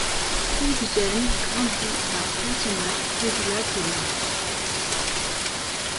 Felix Genn grandit à Wassenach près du Lac de Laach.